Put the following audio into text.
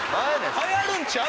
流行るんちゃう？